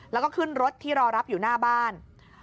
แล้วก็ขึ้นรถที่รอรับอยู่หน้าบ้าน